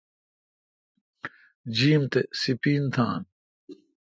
جیم تہ سیپین تھان۔